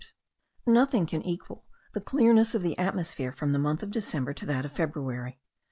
Nothing can equal the clearness of the atmosphere from the month of December to that of February.